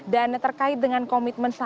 dan terkait dengan komitmennya